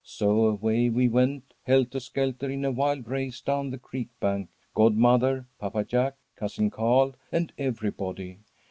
So away we went, helter skelter, in a wild race down the creek bank, godmother, Papa Jack, Cousin Carl, and everybody.